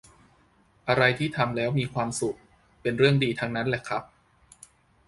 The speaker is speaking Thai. อะไรที่ทำแล้วมีความสุข เป็นเรื่องดีทั้งนั้นแหละครับ